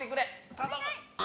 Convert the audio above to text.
頼む！